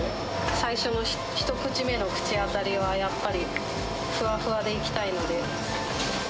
最初の一口目の口当たりは、やっぱりふわふわでいきたいので。